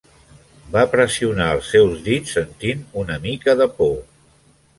Va pressionar els seus dits, sentint una mica de por.